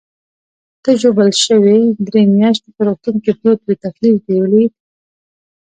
ته ژوبل شوې، درې میاشتې په روغتون کې پروت وې، تکلیف دې ولید.